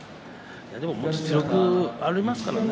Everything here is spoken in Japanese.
実力がありますからね